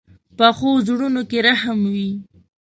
پخو زړونو کې رحم وي